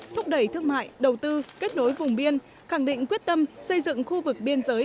thúc đẩy thương mại đầu tư kết nối vùng biên khẳng định quyết tâm xây dựng khu vực biên giới